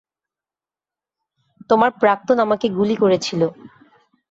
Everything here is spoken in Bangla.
তোমার প্রাক্তন আমাকে গুলি করেছিল।